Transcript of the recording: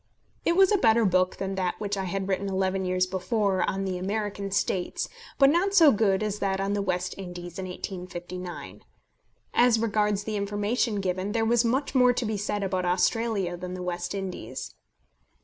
It was a better book than that which I had written eleven years before on the American States, but not so good as that on the West Indies in 1859. As regards the information given, there was much more to be said about Australia than the West Indies.